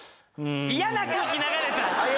嫌な空気流れた！